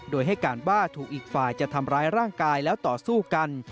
โดยให้การว่าถูกอีกฝ่ายจะทำร้ายร่างกายแล้วต่อสู้กัน